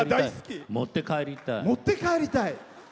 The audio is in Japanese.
持って帰りたい。